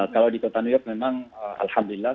kalau di kota new york memang alhamdulillah